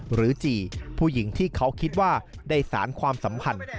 จีผู้หญิงที่เขาคิดว่าได้สารความสัมพันธ์